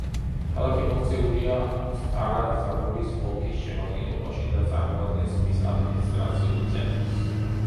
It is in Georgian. ქალაქი მოქცეულია სტარა-ზაგორის ოლქის შემადგენლობაში და წარმოადგენს მის ადმინისტრაციულ ცენტრს.